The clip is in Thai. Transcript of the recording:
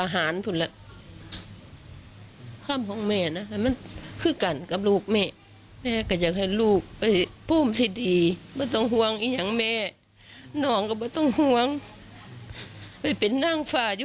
ทางผู้กำกับการสพหมนองคลาย